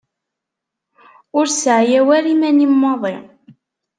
Ur sseɛyaw ara iman-im maḍi.